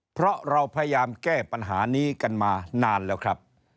เพราะเราพยายามแก้ปัญหานี้กันมานานแล้วครับ